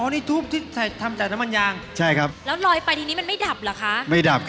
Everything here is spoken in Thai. อ๋อนี่ทูบที่ทำจากน้ำมันยาง